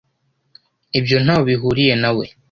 Ibyo ntaho bihuriye na we.